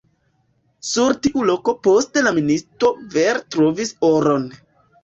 Sur tiu loko poste la ministo vere trovis oron.